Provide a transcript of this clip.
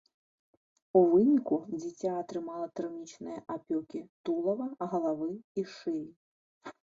У выніку дзіця атрымала тэрмічныя апёкі тулава, галавы і шыі.